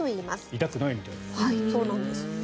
痛くないみたいです。